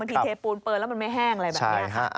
มันถีเทปูนเปินแล้วมันไม่แห้งอะไรแบบนี้